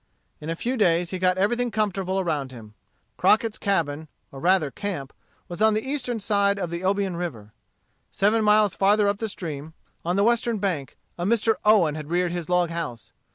In a few days he got everything comfortable around him. Crockett's cabin, or rather camp, was on the eastern side of the Obion River. Seven miles farther up the stream, on the western bank, a Mr. Owen had reared his log house.